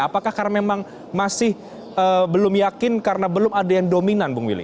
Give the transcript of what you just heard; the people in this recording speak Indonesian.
apakah karena memang masih belum yakin karena belum ada yang dominan bung will